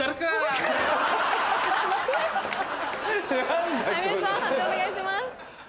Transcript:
判定お願いします。